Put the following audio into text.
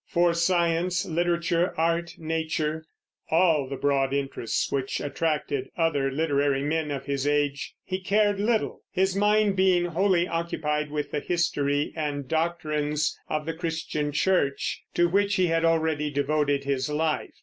For science, literature, art, nature, all the broad interests which attracted other literary men of his age, he cared little, his mind being wholly occupied with the history and doctrines of the Christian church, to which he had already devoted his life.